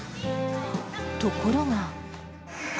ところが。